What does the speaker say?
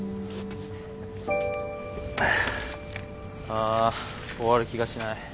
あ終わる気がしない。